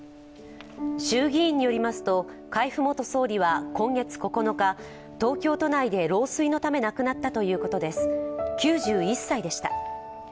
衆議院によりますと海部元総理は今月９日、東京都内で老衰のため亡くなったということです、９１歳でした。